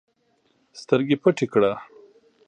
سترګي پټي کړه!